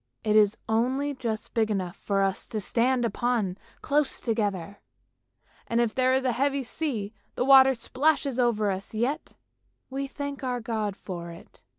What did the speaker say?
It is only just big enough for us to stand upon close together, and if there is a heavy sea the water splashes over us, yet we thank our God for it.